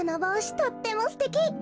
とってもすてき！